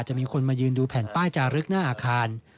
มีคนมายืนดูแผ่นป้ายจารึกหน้าอาคาร